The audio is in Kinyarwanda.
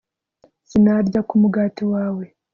sinarya ku mugati wawe